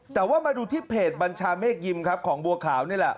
แต่ว่ามาดูที่เพจบัญชาเมฆยิมครับของบัวขาวนี่แหละ